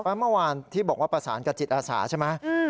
เพราะเมื่อวานที่บอกว่าประสานกับจิตอาสาใช่ไหม